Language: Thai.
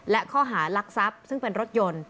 และข้อหารักทรัพย์ซึ่งเป็นรถยนต์